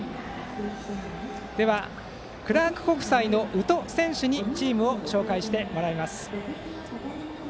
では、クラーク国際の宇都選手にチームを紹介してもらいます。